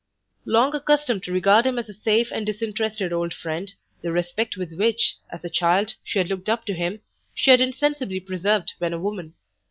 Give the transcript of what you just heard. Long accustomed to regard him as a safe and disinterested old friend, the respect with which, as a child, she had looked up to him, she had insensibly preserved when a woman.